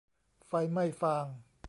ไฟไหม้ฟาง